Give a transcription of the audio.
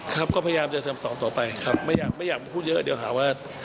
ครับก็พยายามจะสอบต่อไปครับไม่อยากพูดเยอะเดี๋ยวค่ะว่า